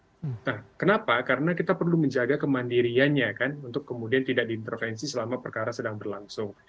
nah kenapa karena kita perlu menjaga kemandiriannya kan untuk kemudian tidak diintervensi selama perkara sedang berlangsung